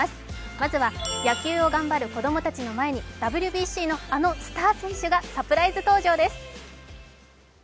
まずは、野球を頑張る子供たちの前にＷＢＣのあのスター選手がサプライズ登場です。